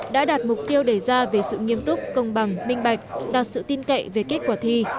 đã đạt mục tiêu đề ra về sự nghiêm túc công bằng minh bạch đạt sự tin cậy về kết quả thi